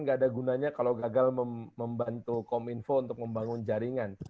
nggak ada gunanya kalau gagal membantu kominfo untuk membangun jaringan